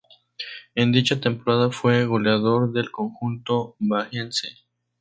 En dicha temporada fue goleador del conjunto Bahiense.